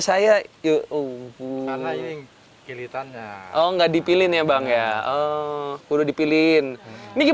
capek main di air